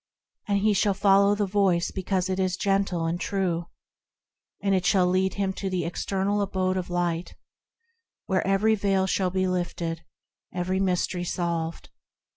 And he shall follow the Voice because it is gentle and true, And it shall lead him to the eternal abode of Light, Where every veil shall be lifted, and every mystery solved.